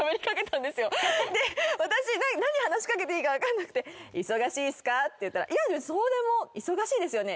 で私何話し掛けていいか分かんなくて「忙しいっすか？」って言ったら「いやそうでも」「忙しいですよね？」